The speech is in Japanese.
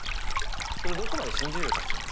それどこまで信じれるかっすよね。